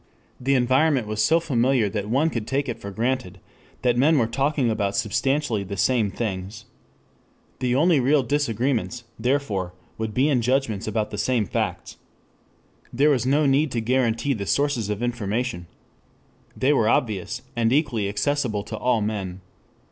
The environment was so familiar that one could take it for granted that men were talking about substantially the same things. The only real disagreements, therefore, would be in judgments about the same facts. There was no need to guarantee the sources of information. They were obvious, and equally accessible to all men.